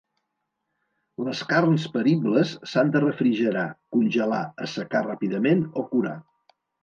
Les carns peribles s'han de refrigerar, congelar, assecar ràpidament o curar.